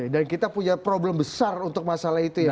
dan kita punya problem besar untuk masalah itu ya mas